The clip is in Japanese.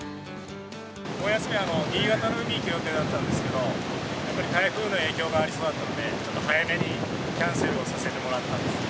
お休みは新潟の海に行く予定だったんですけど、やっぱり台風の影響がありそうだったんで、ちょっと早めにキャンセルをさせてもらったんですね。